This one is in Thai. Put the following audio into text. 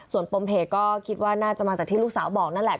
ส่วนปมเหตุก็คิดว่าน่าจะมาจากที่ลูกสาวบอกนั่นแหละ